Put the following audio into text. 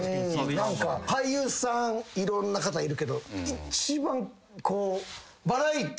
俳優さんいろんな方いるけど一番。